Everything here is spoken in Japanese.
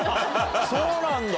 そうなんだ。